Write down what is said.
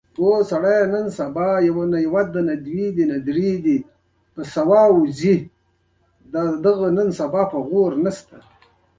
چارمغز د حافظې د پیاوړتیا سبب ګرځي.